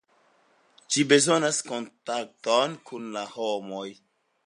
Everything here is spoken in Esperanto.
Ĝi bezonas kontakton kun la homoj.